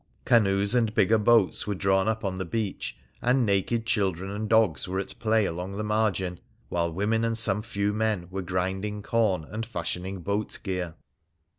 Canoes and bigger boats were drawn up on the beach, and naked children and dogs were at play along the margin ; while women and some few men were grinding corn and fashioning boat gear.